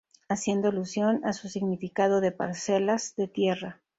Haciendo alusión a su significado de parcelas de tierra.